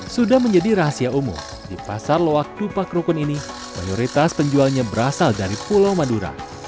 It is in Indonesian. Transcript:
sudah menjadi rahasia umum di pasar loak tupak rukun ini mayoritas penjualnya berasal dari pulau madura